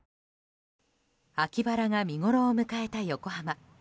秋バラが見ごろを迎えた横浜。